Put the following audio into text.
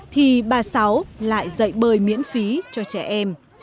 thì bà sáu lại dạy bơi miễn phí cho trẻ em